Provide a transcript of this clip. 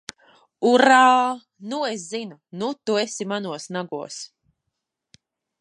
Urā! Nu es zinu! Nu tu esi manos nagos!